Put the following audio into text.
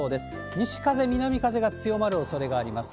西風、南風が強まるおそれがあります。